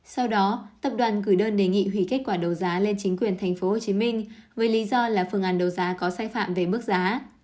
sau đó tập đoàn gửi đơn đề nghị hủy kết quả đấu giá lên chính quyền tp hcm với lý do là phương án đấu giá có sai phạm về mức giá